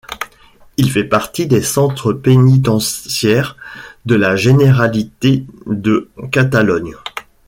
Il fait partie des centres pénitentiaires de la Généralité de Catalogne.